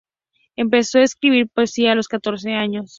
Empezó a escribir poesía a los catorce años.